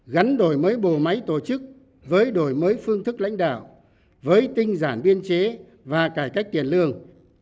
gắn đổi mới bộ máy tổ chức với đổi mới phương thức lãnh đạo với tinh giản biên chế và cải cách tiền lương